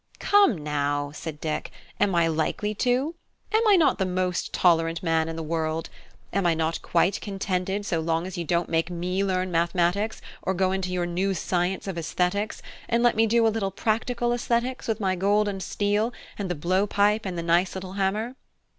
"Come now," said Dick, "am I likely to? Am I not the most tolerant man in the world? Am I not quite contented so long as you don't make me learn mathematics, or go into your new science of aesthetics, and let me do a little practical aesthetics with my gold and steel, and the blowpipe and the nice little hammer?